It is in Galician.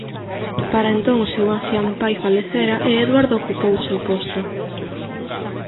Para entón o seu ancián pai falecera e Eduardo ocupou o seu posto.